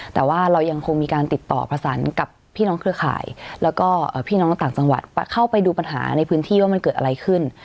แต่ว่าเรายังคงมีการติดต่อประสานกับพี่น้องเครือข่ายแล้วก็พี่น้องต่างจังหวัดเข้าไปดูปัญหาในพื้นที่ว่ามันเกิดอะไรขึ้น